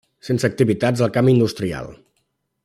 Sense activitats al camp industrial.